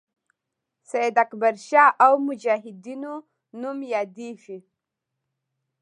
سید اکبرشاه او مجاهدینو نوم یادیږي.